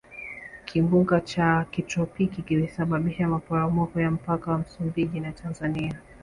kimbunga cha kitropiki kilisababisha maporomoko ya mpaka wa msumbiji na tanzania